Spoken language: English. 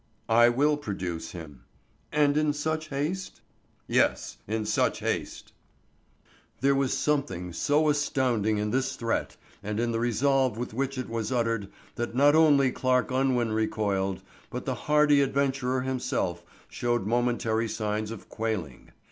"I will produce him." "And in such haste?" "Yes, in such haste." There was something so astounding in this threat and in the resolve with which it was uttered that not only Clarke Unwin recoiled, but the hardy adventurer himself showed momentary signs of quailing.